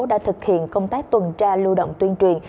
đã thực hiện công tác tuần tra lưu động tuyên truyền